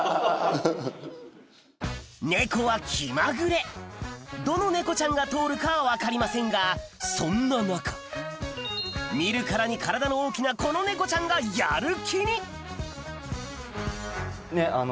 猫は気まぐれどの猫ちゃんが通るかは分かりませんがそんな中見るからに体の大きなこの猫ちゃんがやる気にねっあの。